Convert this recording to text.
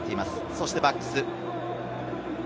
そしてバックスです。